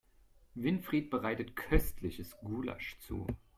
Winfried bereitet köstliches Gulasch zu.